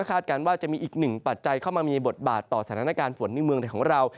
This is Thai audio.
การว่าจะมีอีกหนึ่งปัจจัยเข้ามามีบทบาทต่อสถานการณ์ฝนในเมืองไทยของเรา